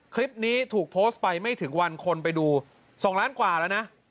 คลิปนี้ถูกโพสต์ไปไม่ถึงวันคนไปดู๒ล้านกว่าแล้วนะ